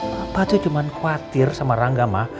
papa tuh cuma khawatir sama rangga ma